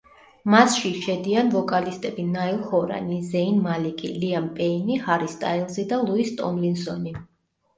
მასში შედიან ვოკალისტები ნაილ ჰორანი, ზეინ მალიკი, ლიამ პეინი, ჰარი სტაილზი და ლუის ტომლინსონი.